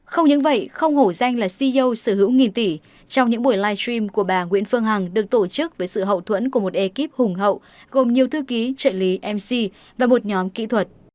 không những vậy không hổ danh là ceo sở hữu nghìn tỷ trong những buổi live stream của bà nguyễn phương hằng được tổ chức với sự hậu thuẫn của một ekip hùng hậu gồm nhiều thư ký trợ lý mc và một nhóm kỹ thuật